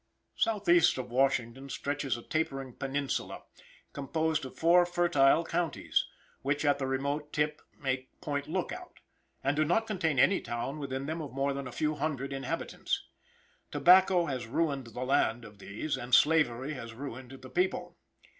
Southeast of Washington stretches a tapering peninsula, composed of four fertile counties, which at the remote tip make Point Lookout, and do not contain any town within them of more than a few hundred inhabitants. Tobacco has ruined the land of these, and slavery has ruined the people.